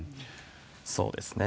そうですね。